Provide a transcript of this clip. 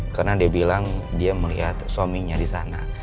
karena dia bilang dia melihat suaminya disana